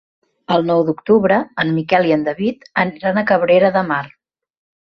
El nou d'octubre en Miquel i en David aniran a Cabrera de Mar.